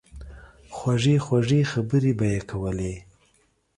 خوږې خوږې خبرې به ئې کولې